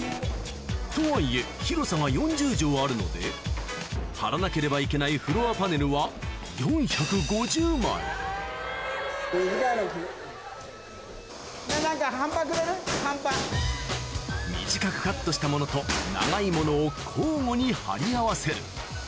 とはいえ広さが４０帖あるので張らなければならないフロアパネルは短くカットしたものと長いものを交互に張り合わせる